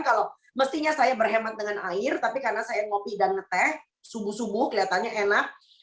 kalau mestinya saya berhemat dengan air tapi karena saya ngopi dan ngeteh subuh subuh kelihatannya enak